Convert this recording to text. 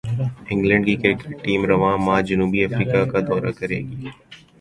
England کی cricket team رواں ماہ جنوبی افریقہ کا دورہ کرے گی